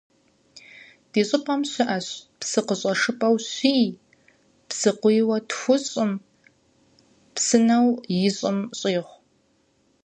Ди щӀыпӀэм щыӀэщ псы къыщӀэшыпӀэу щиим, псыкъуийуэ тхущӀум, псынэу ищӀым щӀигъу.